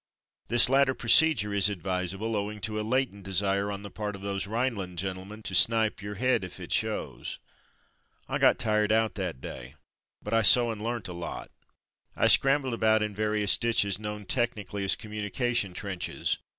This latter procedure is advisable owing to a latent desire on the part of those Rhineland gentlemen to snipe your head if it shows. I got tired out that day, but I saw and learnt a lot. I scrambled about in various ditches known technically as communi cation trenches.